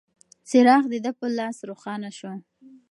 څراغ د ده په لاس روښانه شو.